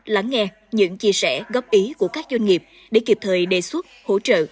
lắng nghe những chia sẻ góp ý của các doanh nghiệp để kịp thời đề xuất hỗ trợ